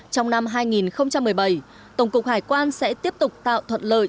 trong năm hai nghìn một mươi bảy tổng cục hải quan sẽ tiếp tục tạo thuận lợi